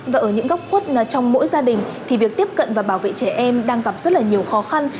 và ở những góc khuất trong mỗi gia đình thì việc tiếp cận và bảo vệ trẻ em đang gặp rất là nhiều khó khăn